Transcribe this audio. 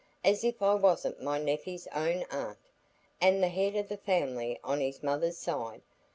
As if I wasn't my nephey's own aunt, and the head o' the family on his mother's side!